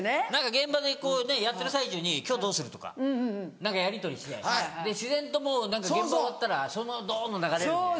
現場でやってる最中に「今日どうする？」とか何かやりとりして自然と現場終わったらそのままドンと流れるみたいな。